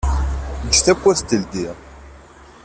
Eǧǧ tawwurt teldi.